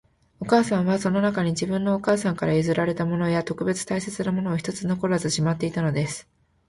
お母さんは、その中に、自分のお母さんから譲られたものや、特別大切なものを一つ残らずしまっていたのです